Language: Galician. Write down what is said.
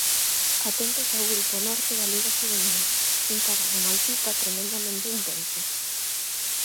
Atentos ao grupo norte da liga xuvenil, cun Cabana-Malpica tremendamente intenso.